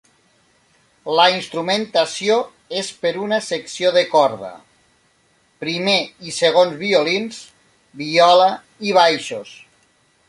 La instrumentació és per una secció de corda: primer i segons violins, viola i baixos.